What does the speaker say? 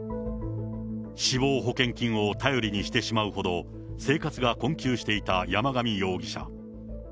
死亡保険金を頼りにしてしまうほど、生活が困窮していた山上容疑者。